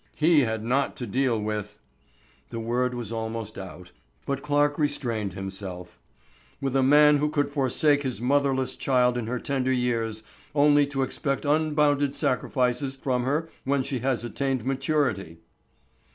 "He had not to deal with—" the word was almost out, but Clarke restrained himself—"with a man who could forsake his motherless child in her tender years, only to expect unbounded sacrifices from her when she has attained maturity."